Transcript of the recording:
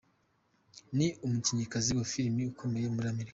Ni umukinnyikazi wa filimi ukomeye muri Amerika.